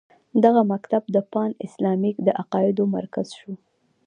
دغه مکتب د پان اسلامیزم د عقایدو مرکز شو.